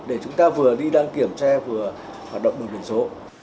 để chúng ta vừa đi đăng kiểm xe vừa hoạt động biển số